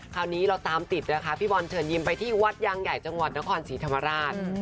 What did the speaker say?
คราวนี้ตามติดนะคะพี่บอลเผยินอย่ำไปที่วัดยังใหญ่จังหวัดนครสีธรรมาราช